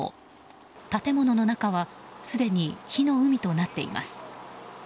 建物の中はすでに火の海となっています。